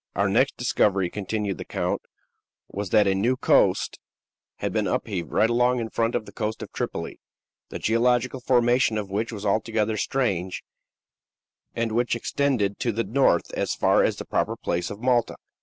"Our next discovery," continued the count, "was that a new coast had been upheaved right along in front of the coast of Tripoli, the geological formation of which was altogether strange, and which extended to the north as far as the proper place of Malta."